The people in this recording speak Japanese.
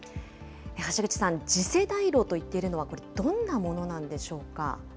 橋口さん、次世代炉と言っているのは、どんなものなんでしょうか。